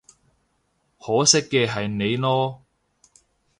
可惜嘅係你囉